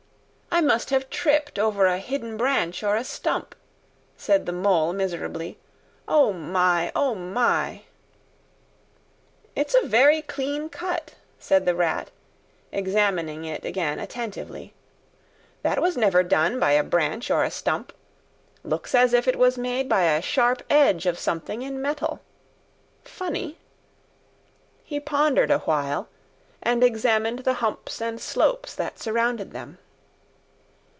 "I must have tripped over a hidden branch or a stump," said the Mole miserably. "O, my! O, my!" "It's a very clean cut," said the Rat, examining it again attentively. "That was never done by a branch or a stump. Looks as if it was made by a sharp edge of something in metal. Funny!" He pondered awhile, and examined the humps and slopes that surrounded them.